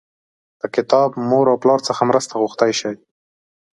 له کتاب، مور او پلار څخه مرسته غوښتی شئ.